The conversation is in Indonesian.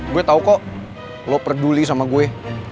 gue tau kok lo peduli sama gue